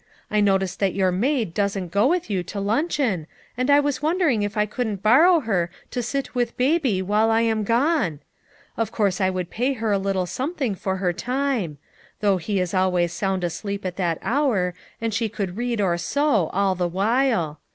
I notice that your maid doesn't go with you to luncheon, and I was wondering if I couldn't borrow her to sit with Baby while I am gone ? Of course I would pay her a little some thing for her time ; though he is always sound asleep at that hour, and she could read or sew, all the while.